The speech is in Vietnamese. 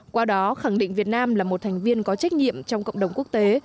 qua đó khẳng định việt nam là một thành viên có trách nhiệm trong cộng đồng quốc tế